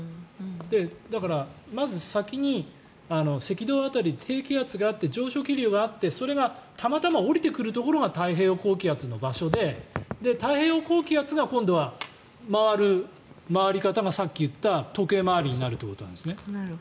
だからまず先に赤道辺りに低気圧があって上昇気流があってそれがたまたま下りてくるところが太平洋高気圧の場所で太平洋高気圧が今度は回り方がさっき言った、時計回りになるってことなんですね。